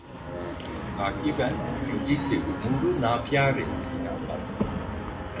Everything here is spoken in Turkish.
Takiben Meclis-i Umur-u Nafia reisliğine atandı.